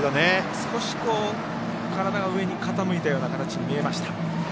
少し体が上に傾いたような形に見えました。